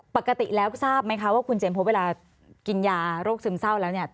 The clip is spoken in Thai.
ปกติแล้วทราบไหมคะว่าคุณเจมสบเวลากินยาโรคซึมเศร้าแล้วเนี่ย